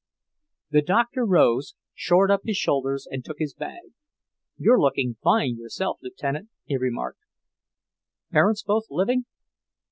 The Doctor rose, shored up his shoulders and took his bag. "You're looking fine yourself, Lieutenant," he remarked. "Parents both living?